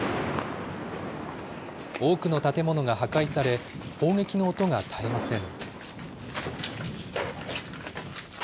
多くの建物が破壊され、砲撃の音が絶えません。